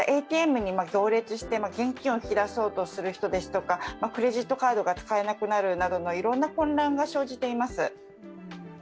ＡＴＭに行列して現金を引き出そうとする人ですとかクレジットカードが使えなくなるなどのいろいろな混乱が生じています。